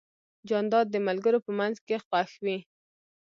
جانداد د ملګرو په منځ کې خوښ وي.